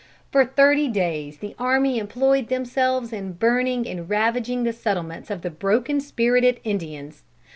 For thirty days the army employed themselves in burning and ravaging the settlements of the broken spirited Indians.